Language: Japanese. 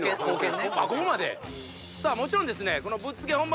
ここまで⁉さあもちろんですね。